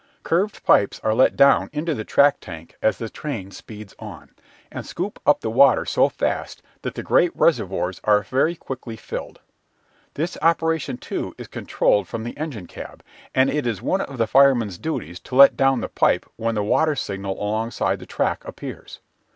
Curved pipes are let down into the track tank as the train speeds on, and scoop up the water so fast that the great reservoirs are very quickly filled. This operation, too, is controlled from the engine cab, and it is one of the fireman's duties to let down the pipe when the water signal alongside the track appears.